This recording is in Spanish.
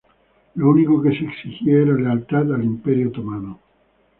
Lo único que se exigía era lealtad al Imperio otomano.